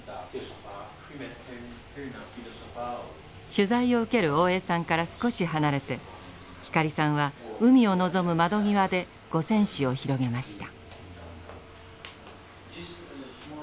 ・取材を受ける大江さんから少し離れて光さんは海を望む窓際で五線紙を広げました。